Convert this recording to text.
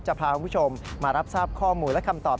จะพาคุณผู้ชมมารับทราบข้อมูลและคำตอบ